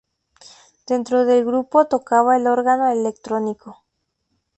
Dentro del grupo tocaba el órgano electrónico.